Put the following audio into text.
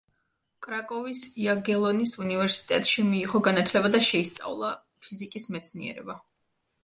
კრაკოვის იაგელონის უნივერსიტეტში მიიღო განათლება და შეისწავლა ფიზიკის მეცნიერება.